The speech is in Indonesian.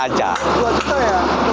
dua juta ya